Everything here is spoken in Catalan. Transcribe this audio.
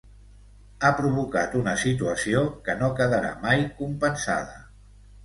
Ha provocat una situació que no quedarà mai compensada.